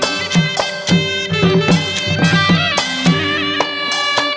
มีชื่อว่าโนราตัวอ่อนครับ